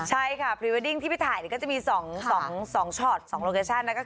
ใช่ค่ะเพราะที่ไปถ่ายก็จะมีสองโลกาชัน